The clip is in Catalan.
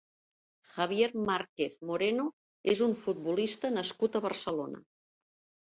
Javier Márquez Moreno és un futbolista nascut a Barcelona.